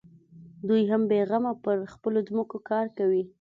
دوى هم بېغمه پر خپلو ځمکو کار کوي.